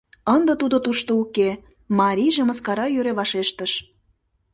— Ынде Тудо тушто уке, — марийже мыскара йӧре вашештыш.